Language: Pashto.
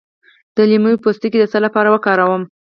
د لیمو پوستکی د څه لپاره وکاروم؟